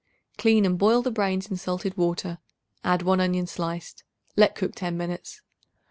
Clean and boil the brains in salted water; add 1 onion sliced; let cook ten minutes.